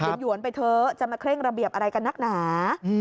หยวนไปเถอะจะมาเคร่งระเบียบอะไรกันนักหนา